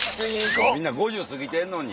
みんな５０過ぎてんのに。